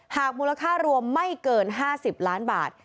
มูลค่ารวมไม่เกิน๕๐ล้านบาท